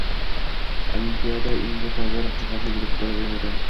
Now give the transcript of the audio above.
Olimpiada endi tobora qiziqarli bo‘lib boraveradi.